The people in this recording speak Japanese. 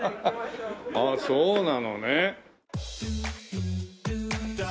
ああそうなのね。